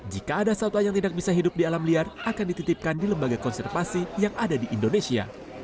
jika ada satwa yang tidak bisa hidup di alam liar akan dititipkan di lembaga konservasi yang ada di indonesia